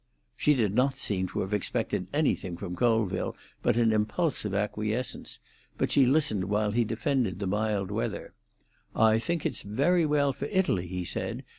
She did not seem to have expected anything from Colville but an impulsive acquiescence, but she listened while he defended the mild weather. "I think it's very well for Italy," he said.